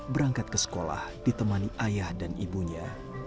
berangkat ke sekolah ditemani ayah dan ibunya